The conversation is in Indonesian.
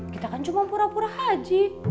kita kan cuma pura pura haji